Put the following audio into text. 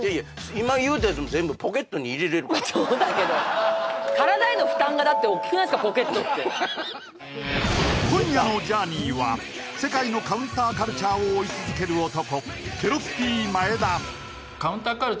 今言うたやつも全部まあそうだけど体への負担がだっておっきくないですかポケットって今夜のジャーニーは世界のカウンターカルチャーを追い続ける男